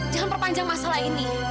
jangan perpanjang masalah ini